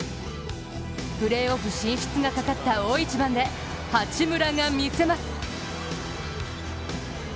プレーオフ進出がかかった大一番で八村が見せます。